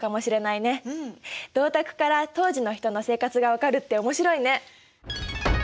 銅鐸から当時の人の生活が分かるって面白いね。